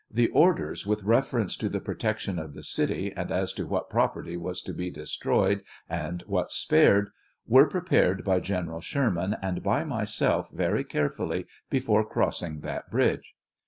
The orders with reference to the protection of the city, and as to what property was to be destroyed and what spared, were prepared by General Sherman and by myself very carefully before crossing that bridge.